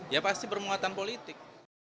ya pasti bermuatan politik